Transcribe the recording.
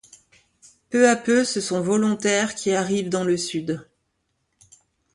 Peu à peu, ce sont volontaires qui arrivent dans le Sud.